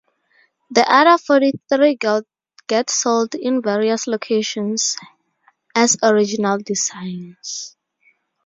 The other forty-three get sold in various locations as original designs.